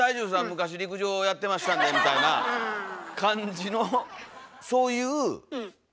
昔陸上やってましたんで」みたいな感じのそういう。